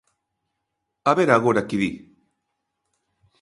A ver agora que di.